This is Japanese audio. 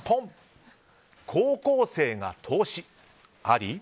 高校生が投資、あり？